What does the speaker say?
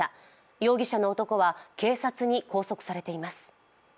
容疑者の男は警察に拘束されています。